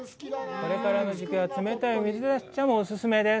これからの時期は冷たい水出し茶もオススメです。